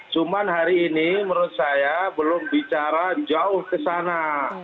cuman hari ini menurut saya belum bicara jauh ke sana